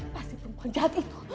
pasti perempuan jahat itu